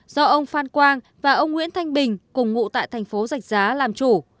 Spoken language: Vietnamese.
do ông phan quang và ông nguyễn thanh bình cùng ngụ tại thành phố giạch giá làm chủ